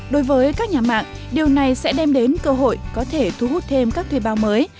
đối với các nhà mạng điều này sẽ đem đến cơ hội có thể thu hút thêm các thuê bao mới